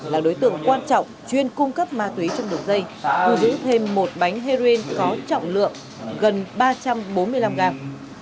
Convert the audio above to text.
là đối tượng quan trọng chuyên cung cấp ma túy trong đường dây thu giữ thêm một bánh heroin có trọng lượng gần ba trăm bốn mươi năm g